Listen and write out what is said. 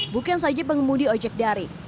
bukan saja pengemudi ojek daring